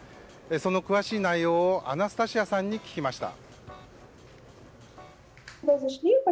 その詳しい内容をアナスタシアさんに聞きました。